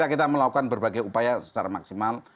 kita melakukan berbagai upaya secara maksimal